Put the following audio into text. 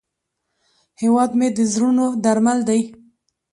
هیواد مې د زړونو درمل دی